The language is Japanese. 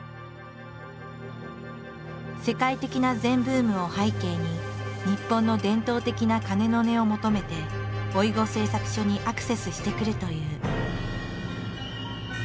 世界的な禅ブームを背景に日本の伝統的な鐘の音を求めて老子製作所にアクセスしてくるという。